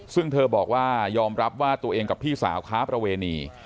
ซึ่งเธอบอกว่ายอมรับว่าตัวเองกับพี่สาวค้าประเวณี